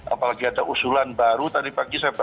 apalagi ada usulan baru tadi pagi saya baca